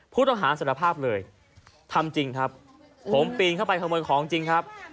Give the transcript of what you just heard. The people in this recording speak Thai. สารภาพเลยทำจริงครับผมปีนเข้าไปขโมยของจริงครับ